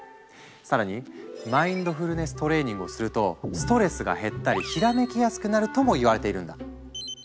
更にマインドフルネス・トレーニングをするとストレスが減ったりひらめきやすくなるともいわれているんだ。